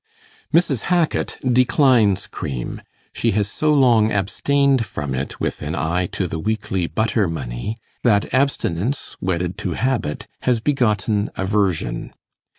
Mrs. Hackit declines cream; she has so long abstained from it with an eye to the weekly butter money, that abstinence, wedded to habit, has begotten aversion.